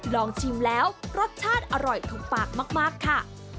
ลองชิมแล้วรสชาติอร่อยถูกปากมากค่ะ